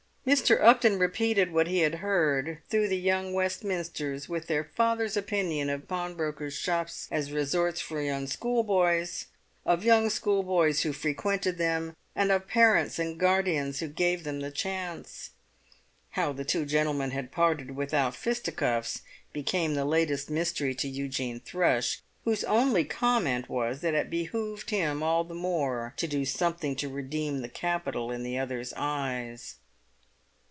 Mr. Upton repeated what he had heard through the young Westminsters, with their father's opinion of pawnbrokers' shops as resorts for young schoolboys, of young schoolboys who frequented them, and of parents and guardians who gave them the chance. How the two gentlemen had parted without fisticuffs became the latest mystery to Eugene Thrush, whose only comment was that it behoved him all the more to do something to redeem the capital in the other's eyes.